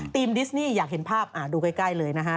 ดิสนี่อยากเห็นภาพดูใกล้เลยนะฮะ